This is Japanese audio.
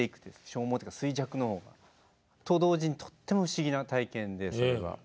消耗っていうか衰弱の方が。と同時にとっても不思議な体験でそれは。